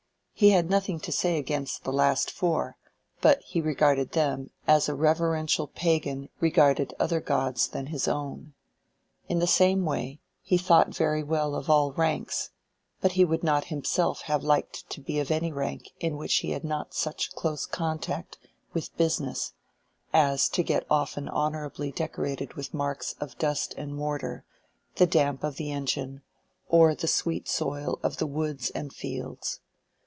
He had nothing to say against the last four; but he regarded them as a reverential pagan regarded other gods than his own. In the same way, he thought very well of all ranks, but he would not himself have liked to be of any rank in which he had not such close contact with "business" as to get often honorably decorated with marks of dust and mortar, the damp of the engine, or the sweet soil of the woods and fields.